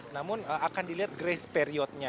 namun akan dilihat grace periodnya